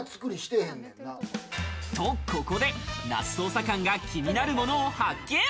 ここで、那須捜査官が気になるものを発見。